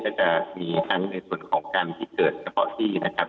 ก็จะมีทั้งในส่วนของการที่เกิดเฉพาะที่นะครับ